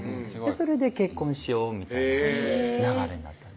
それで結婚しようみたいな流れになったんです